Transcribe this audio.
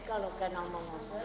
ini kalau kenal mengopo